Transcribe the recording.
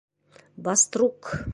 Баструк